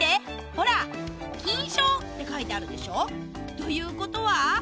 ほら「金賞」って書いてあるでしょということは？